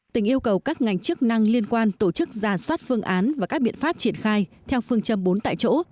tỉnh yêu cầu các ngành chức năng liên quan tổ chức ra soát phương án và các biện pháp triển khai theo phương châm bốn tại chỗ